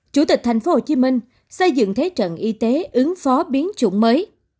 chủ tịch thành phố hồ chí minh xây dựng thế trận y tế ứng phó biến chủng mới